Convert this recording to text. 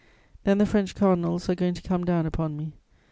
Then the French cardinals are going to come down upon me.